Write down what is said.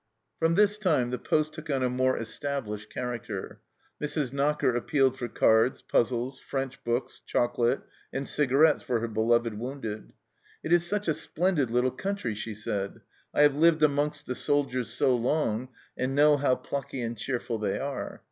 From this time the poste took on a more established character. Mrs. Knocker appealed for cards, puzzles, French books, chocolate, and cigarettes for her beloved wounded. " It is such a splendid little country 1" she said. " I have lived amongst the soldiers so long, and know how plucky and cheerful they are.